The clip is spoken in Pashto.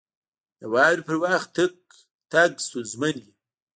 • د واورې پر وخت تګ ستونزمن وي.